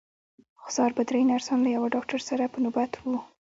خو سهار به درې نرسان له یوه ډاکټر سره په نوبت وو.